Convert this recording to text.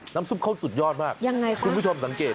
น้ำซุปเขาสุดยอดมากคุณผู้ชมสังเกตนะยังไงคะ